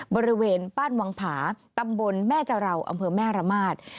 บริเวณบ้านวังผาตำบลแม่จาราวอำเภอแม่ระมาท